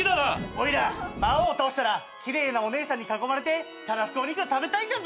おいら魔王を倒したら奇麗なお姉さんに囲まれてたらふくお肉食べたいんだブー。